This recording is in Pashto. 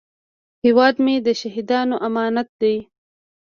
هیواد مې د شهیدانو امانت دی